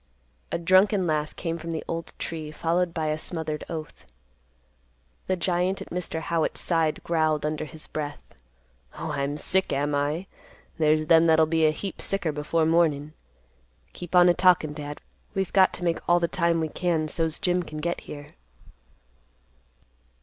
A drunken laugh came from the old tree, followed by a smothered oath. The giant at Mr. Howitt's side growled under his breath, "Oh, I'm sick, am I? There's them that'll be a heap sicker before mornin'. Keep on a talkin', Dad. We've got to make all the time we can, so's Jim can get here."